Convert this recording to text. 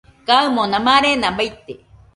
Kaɨmona marena baite